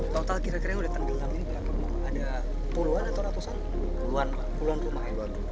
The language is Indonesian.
total kira kira yang sudah tenggelam ini berapa rumah